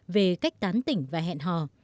về cách tán tỉnh và hẹn hò